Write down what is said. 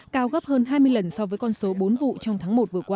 cao gấp hơn hai mươi lần so với con số bốn vụ trong tháng một vừa qua